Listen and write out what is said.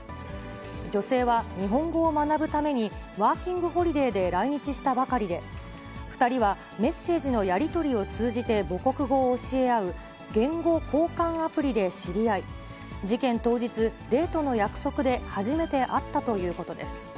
女性は日本語を学ぶためにワーキングホリデーで来日したばかりで、２人はメッセージのやり取りを通じて母国語を教え合う、言語交換アプリで知り合い、事件当日、デートの約束で初めて会ったということです。